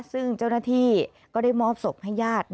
ซึ่งเจ้าหน้าที่ก็ได้มอบศพให้ญาติ